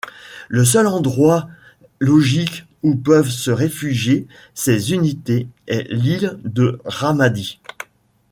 Le seul endroit logique où peuvent se réfugier ces unités est l'île de Rahmadi.